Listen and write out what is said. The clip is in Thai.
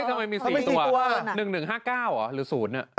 ทำไมมี๔ตัว๑๑๕๙เหรอ๐นี่